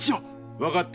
わかった。